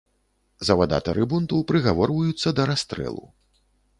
Завадатары бунту прыгаворваюцца да расстрэлу.